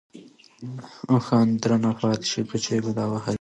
اوښـان دې درنه پاتې شي كوچـۍ بلا وهلې.